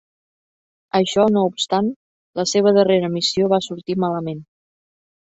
Això no obstant, la seva darrera missió va sortir malament.